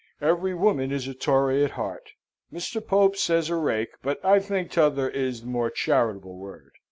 Every woman is a Tory at heart. Mr. Pope says a rake, but I think t'other is the more charitable word.